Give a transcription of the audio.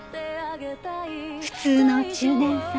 「普通の中年」さん。